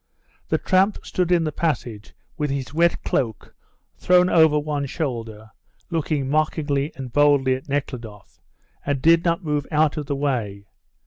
The tramp stood in the passage with his wet cloak thrown over one shoulder, looking mockingly and boldly at Nekhludoff, and did not move out of the way.